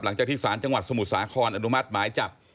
หลังจากที่สารจังหวัดสมุทรสาครอนุมัติหมายจับ